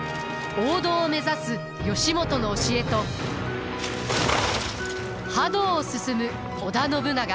王道を目指す義元の教えと覇道を進む織田信長。